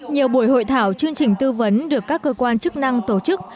nhiều buổi hội thảo chương trình tư vấn được các cơ quan chức năng tổ chức